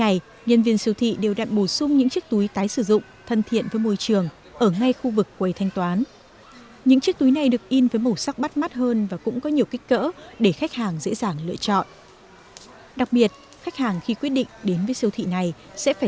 túi từ siêu thị được cấp chứng chỉ thân thiện môi trường và túi polymer có nguồn gốc dầu mỏ được dùng hàng ngày tại việt nam